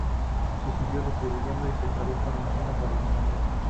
Se siguió distribuyendo y se tradujo al chino por la comunidad.